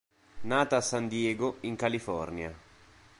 Nata a San Diego, in California.